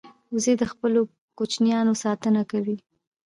وزې د خپلو کوچنیانو ساتنه کوي